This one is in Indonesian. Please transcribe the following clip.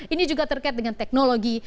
ini juga terkait dengan teknologi